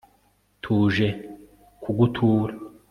tuje kugutura